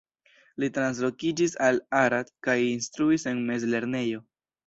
Li translokiĝis al Arad kaj instruis en mezlernejo.